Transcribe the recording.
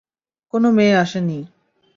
কোনো মেয়ে আসেনি।